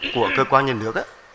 của cơ quan dân nước